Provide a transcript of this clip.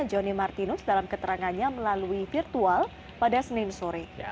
johnny martinus dalam keterangannya melalui virtual pada senin sore